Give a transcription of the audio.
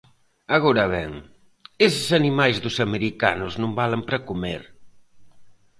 Agora ben, eses animais dos americanos non valen para comer.